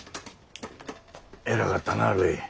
えらかったなるい。